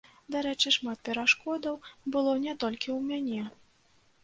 Дарэчы, шмат перашкодаў было не толькі ў мяне.